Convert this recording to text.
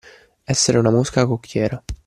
Essere una mosca cocchiera.